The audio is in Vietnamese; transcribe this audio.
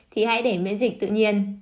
thì hãy để miễn dịch tự nhiên